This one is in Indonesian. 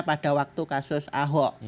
pada waktu kasus ahok